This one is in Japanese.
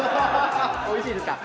おいしいですか？